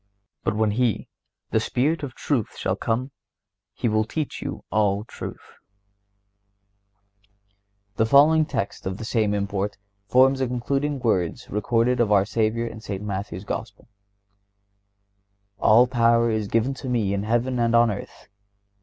But when He, the Spirit of truth, shall come, He will teach you all truth."(125) The following text of the same import forms the concluding words recorded of our Savior in St. Matthew's Gospel: "All power is given to Me in heaven and on earth.